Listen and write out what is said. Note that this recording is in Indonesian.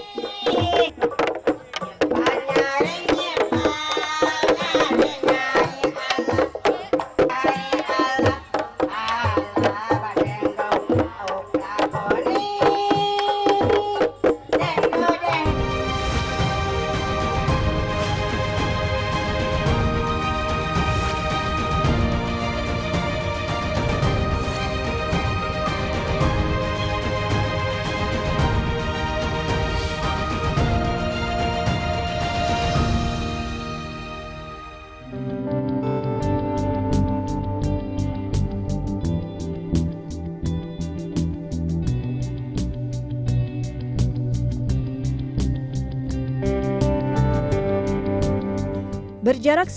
kisah kota ciamis